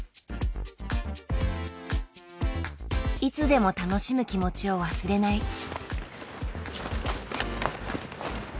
いつでも楽しむ気持ちを忘れない。